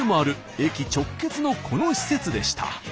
駅直結のこの施設でした。